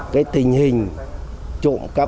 cái tình hình trộm cắp